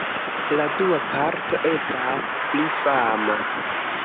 La dua parto estas pli fama.